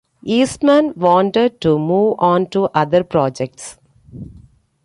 Eastman wanted to move on to other projects.